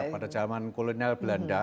pada zaman kolonial belanda